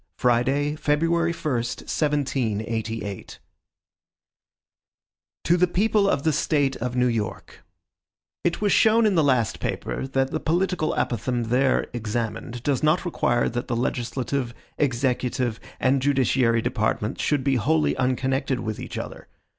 Friday, February 1, 1788. MADISON To the People of the State of New York: IT WAS shown in the last paper that the political apothegm there examined does not require that the legislative, executive, and judiciary departments should be wholly unconnected with each other.